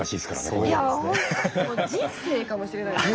もう人生かもしれないです。